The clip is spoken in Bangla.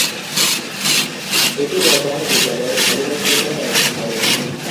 এটি বর্তমানে বিদ্যালয়ের ভলিবল প্রোগ্রামের আয়োজন করে।